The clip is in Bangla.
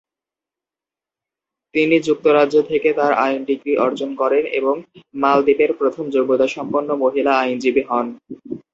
তিনি যুক্তরাজ্য থেকে তার আইন ডিগ্রী অর্জন করেন এবং মালদ্বীপের প্রথম যোগ্যতাসম্পন্ন মহিলা আইনজীবী হন।